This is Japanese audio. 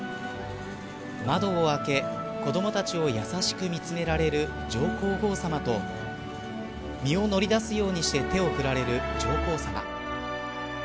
窓を開け、子どもたちを優しく見つめられる上皇后さまと身を乗り出すようにして手を振られる上皇さま。